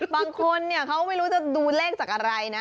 บางคนเขาไม่รู้จะดูเลขจากอะไรนะ